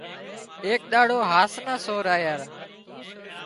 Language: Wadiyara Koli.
ايڪ ۮاڙو هاس مان سور آيا را